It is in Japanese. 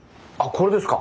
これですか？